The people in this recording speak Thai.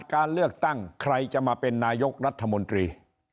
การเลือกตั้งใครจะมาเป็นนายกรัฐมนตรี